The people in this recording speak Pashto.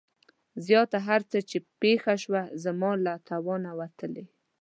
زياته هر څه چې پېښه شوه زما له توانه وتلې.